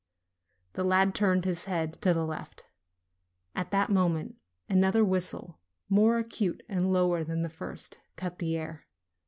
The lad turned his head to the left. At that mo ment, another whistle, more acute and lower than the first, cut the air.